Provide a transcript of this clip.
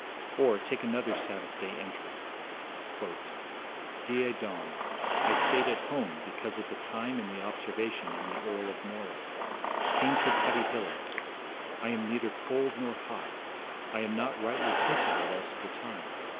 Or, take another Sabbath day entry: 'Die Dom. I stayed at home, because of the time, and the observation, and the Earl of Moray ... Came to Cuttiehillock. I am neither cold nor hot. I am not rightly principled as to the time.